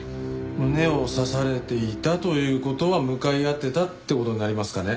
胸を刺されていたという事は向かい合ってたって事になりますかね。